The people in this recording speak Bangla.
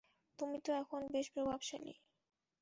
তুমি তো এখন বেশ প্রভাবশালী।